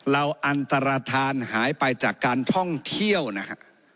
อันตรฐานหายไปจากการท่องเที่ยวนะฮะ